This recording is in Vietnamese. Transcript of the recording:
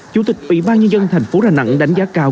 chủ tịch ủy ban nhân dân thành phố đà nẵng đánh giá cao